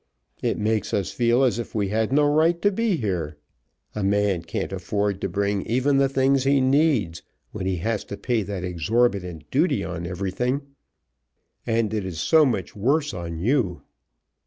"It makes us feel as if we had no right to be here. A man can't afford to bring even the things he needs, when he has to pay that exorbitant duty on everything. And it is so much worse on you.